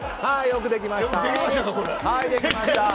よくできました。